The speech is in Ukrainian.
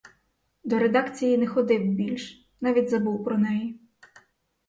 До редакції не ходив більш, навіть забув про неї.